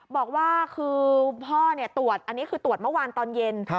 บอกว่าคือพ่อตรวจอันนี้คือตรวจเมื่อวานตอนเย็น